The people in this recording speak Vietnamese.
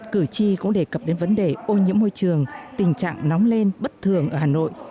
cử tri có đề cập đến vấn đề ô nhiễm môi trường tình trạng nóng lên bất thường ở hà nội